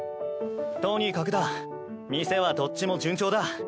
とにかくだ店はどっちも順調だ。